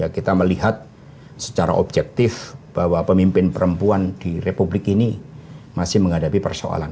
kita melihat secara objektif bahwa pemimpin perempuan di republik ini masih menghadapi persoalan